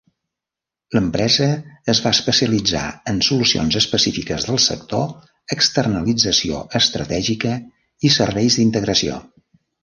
L'empresa es va especialitzar en solucions específiques del sector, externalització estratègica i serveis d'integració.